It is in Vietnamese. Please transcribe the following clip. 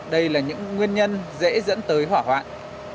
đây là những nguyên nhân dễ dẫn tới hỏa hoạn